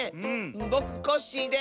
ぼくコッシーです！